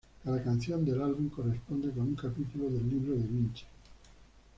Cada canción del álbum corresponde con un capítulo del libro de Vince.